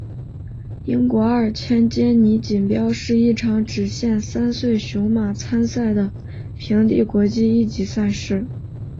英国二千坚尼锦标是一场只限三岁雄马参赛的平地国际一级赛事。